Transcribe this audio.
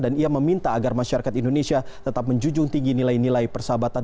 dan ia meminta agar masyarakat indonesia tetap menjunjung tinggi nilai nilai persahabatan